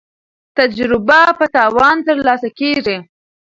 تجربه په تاوان ترلاسه کیږي.